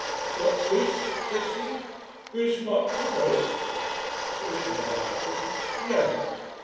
'What's this?' says he. 'This Muck for milk?' But it never happens. Never.